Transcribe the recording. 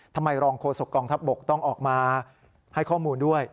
ทำไมรองโฆษกองทัพบกต้องออกมาให้ข้อมูลด้วย